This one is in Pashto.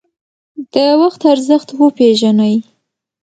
د وخت ارزښت وپیژنئ